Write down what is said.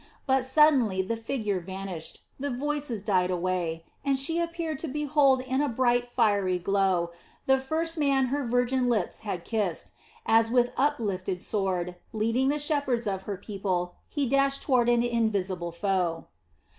But suddenly the figure vanished, the voices died away, and she appeared to behold in a bright, fiery glow, the first man her virgin lips had kissed, as with uplifted sword, leading the shepherds of her people, he dashed toward an invisible foe.